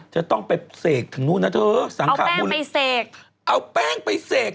จะต้องไปเสกถึงโน่นน่ะเถอะเอาแป้งไปเสก